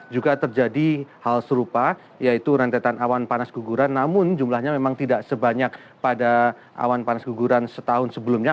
juga terjadi hal serupa yaitu rentetan awan panas guguran namun jumlahnya memang tidak sebanyak pada awan panas guguran setahun sebelumnya